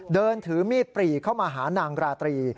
เดินถือมีดปรีเข้ามาหานางราตรี